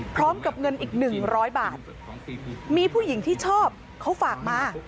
พร้อมกับเงินอีกหนึ่งร้อยบาทมีผู้หญิงที่ชอบเขาฝากมา